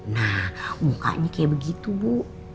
nah mukanya kayak begitu bu